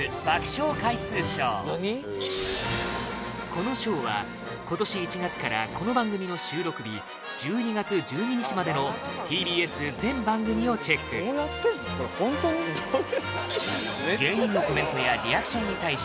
この賞は今年１月からこの番組の収録日１２月１２日までのＴＢＳ全番組をチェック果たして誰なのか？笑